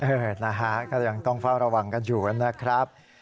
เออนะฮะก็ยังต้องเฝ้าระวังกันอยู่นะครับ